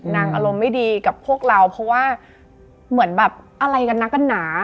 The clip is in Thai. อารมณ์ไม่ดีกับพวกเราเพราะว่าเหมือนแบบอะไรกันนักกันหนา